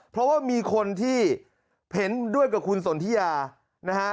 เพราะว่ามีคนที่เห็นด้วยกับคุณสนทิยานะฮะ